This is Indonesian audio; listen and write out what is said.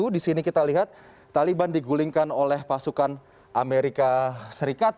di sini kita lihat taliban digulingkan oleh pasukan amerika serikat